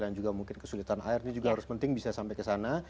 juga mungkin kesulitan air ini juga harus penting bisa sampai ke sana